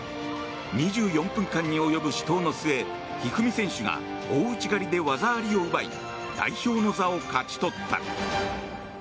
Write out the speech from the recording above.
２４分間に及ぶ死闘の末一二三選手が大内刈りで技ありを奪い代表の座を勝ち取った。